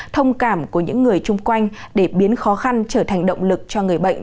thông cảm của những người chung quanh để biến khó khăn trở thành động lực cho người bệnh